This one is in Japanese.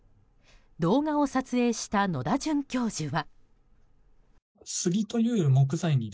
動画を撮影した野田准教授は。